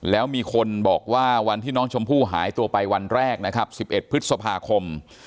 แล้วมีคนบอกว่าวันที่น้องชมพู่หายตัวไปวันแรกนะครับ๑๑พฤษภาคม